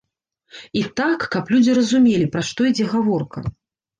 І так, каб людзі разумелі, пра што ідзе гаворка.